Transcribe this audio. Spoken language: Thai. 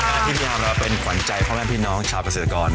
ทีนี้เราจะเป็นขวัญใจพร้อมให้พี่น้องชาวพลังเศรษฐกร